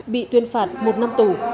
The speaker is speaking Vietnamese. bị tuyên phạt một năm tủ